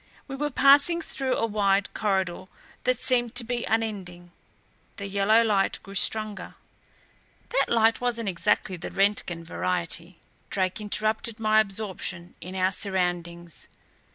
We were passing through a wide corridor that seemed to be unending. The yellow light grew stronger. "That light wasn't exactly the Roentgen variety," Drake interrupted my absorption in our surroundings.